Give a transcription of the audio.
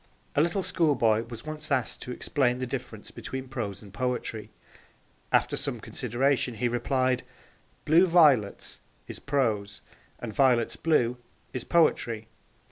A little schoolboy was once asked to explain the difference between prose and poetry. After some consideration he replied, '"blue violets" is prose, and "violets blue" is poetry.'